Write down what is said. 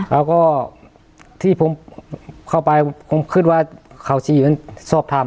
แล้วก็ที่ผมเข้าไปผมคิดว่าเขาชีอื่นสอบถาม